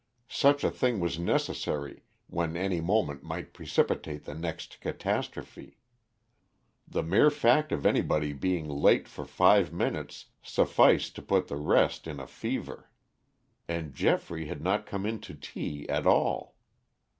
Such a thing was necessary when any moment might precipitate the next catastrophe. The mere fact of anybody being late for five minutes sufficed to put the rest in a fever. And Geoffrey had not come in to tea at all.